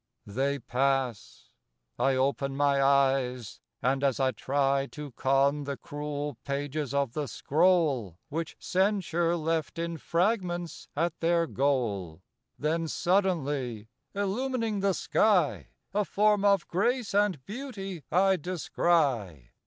They pass : I open my eyes: and as I try To con the cruel pages of the scroll Which Censure left in fragments at their goal Then suddenly, illumining the sky, A form of grace and beauty I descry.